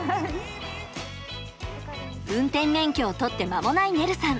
運転免許を取って間もないねるさん。